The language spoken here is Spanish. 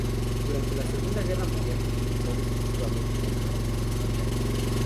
Durante la Segunda Guerra Mundial fue utilizada exclusivamente con propósitos militares.